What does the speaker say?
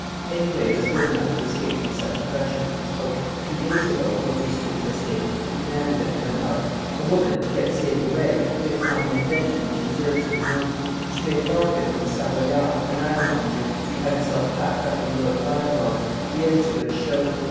Any way was good enough to escape from such oppression. "Two days ago," wrote M. de Tesse, who commanded at Grenoble, "a woman, to get safe away, hit upon an invention which deserves to be known. She made a bargain with a Savoyard, an ironmonger, and had herself packed up in a load of iron rods, the ends of which showed.